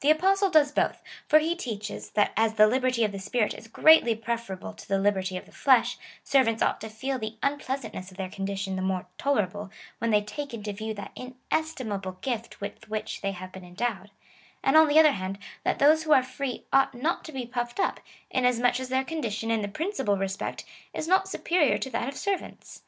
The Apostle does both ; for he teaches, that as the liberty of the spirit is greatly preferable to the liberty of the flesh, servants ought to feel the un pleasantness of their condition the more tolerable, when they take into view that inestimable gift with which they have been endowed ; and, on the other hand, that those who are free ought not to be puffed up, inasmuch as their condition in the principal respect is not superior to that of servants.